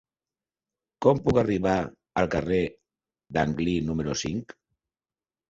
Com puc arribar al carrer d'Anglí número cinc?